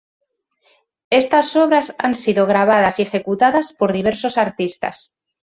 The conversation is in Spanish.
Estas obras han sido grabadas y ejecutadas por diversos artistas.